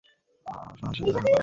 জাফর কারো সাথেই দেখা করে না।